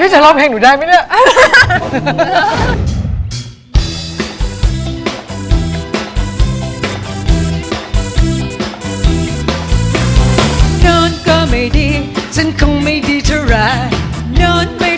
เพราะว่าปลื้มพี่ปุ๊บมานาน